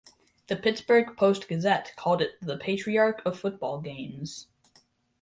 The "Pittsburgh Post-Gazette" called it the "patriarch of football games".